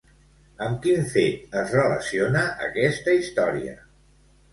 Amb quin fet es relaciona aquesta història?